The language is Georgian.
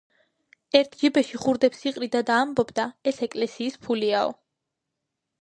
ერთ ჯიბეში ხურდებს იყრიდა და ამბობდა, ეს ეკლესიის ფულიაო.